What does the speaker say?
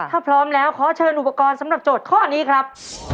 ถ้าพร้อมแล้วขอเชิญอุปกรณ์สำหรับโจทย์ข้อนี้ครับ